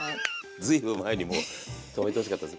ずいぶん前にもう止めてほしかったです。